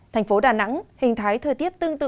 thành phố đà nẵng hình thái thời tiết tương tự